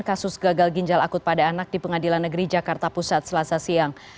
kasus gagal ginjal akut pada anak di pengadilan negeri jakarta pusat selasa siang